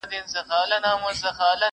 زه به مي تندی نه په تندي به تېشه ماته کړم